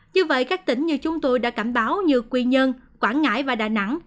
như vậy các tỉnh như chúng tôi đã cảnh báo như quy nhơn quảng ngãi và đà nẵng